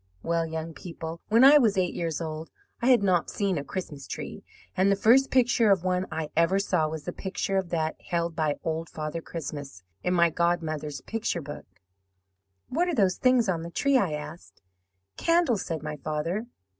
"Well, young people, when I was eight years old I had not seen a Christmas tree, and the first picture of one I ever saw was the picture of that held by Old Father Christmas in my godmother's picture book." '"What are those things on the tree?' I asked. "'Candles,' said my father.